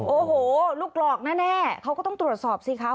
โอ้โหลูกหลอกแน่เขาก็ต้องตรวจสอบสิคะ